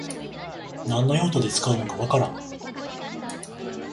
何の用途で使うのかわからん